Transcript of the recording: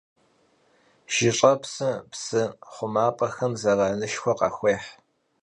Jış'epsım psı xhumap'exem zeranışşxue khaxuêh.